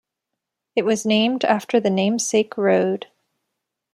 It was named after the namesake road.